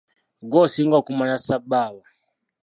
Ggwe osinga okumanya ssabbaawa.